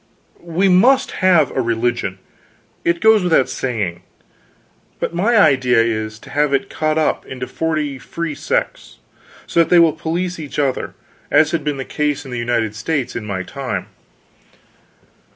We must have a religion it goes without saying but my idea is, to have it cut up into forty free sects, so that they will police each other, as had been the case in the United States in my time.